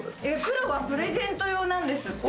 黒はプレゼント用なんですって。